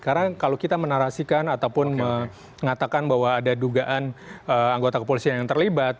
karena kalau kita menarasikan ataupun mengatakan bahwa ada dugaan anggota kepolisian yang terlibat